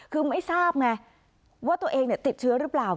คือไม่ทราบไงว่าตัวเองติดเชื้อหรือเปล่า